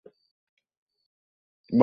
সেখানে গিয়ে দেখ কিছু দেখছো?